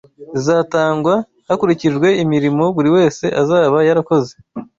zizatangwa hakurikijwe imirimo buri wese azaba yarakoze